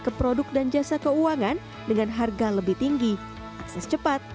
ke produk dan jasa keuangan dengan harga lebih tinggi akses cepat